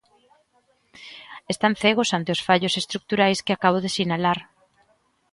Están cegos ante os fallos estruturais que acabo de sinalar.